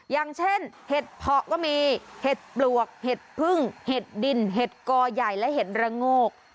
อย่างเช่นเห็ดเพาะก็มีเห็ดปลวกเห็ดพึ่งเห็ดดินเห็ดกอใหญ่และเห็ดระโงก